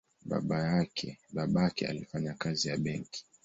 Babake alifanya kazi ya benki.